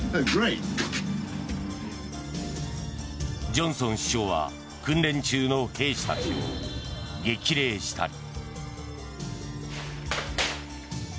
ジョンソン首相は訓練中の兵士たちを激励したり。